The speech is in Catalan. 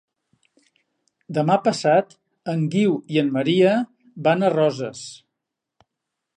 Demà passat en Guiu i en Maria van a Roses.